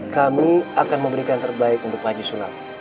kami akan memberikan yang terbaik untuk pak haji sulam